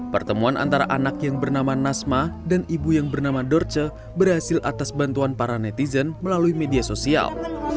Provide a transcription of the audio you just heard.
pertemuan antara anak yang bernama nasma dan ibu yang bernama dorce berhasil atas bantuan para netizen melalui media sosial